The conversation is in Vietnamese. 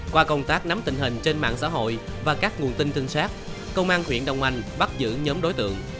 qua công tác nắm tình hình trên mạng xã hội và các nguồn tin trinh sát công an huyện đông anh bắt giữ nhóm đối tượng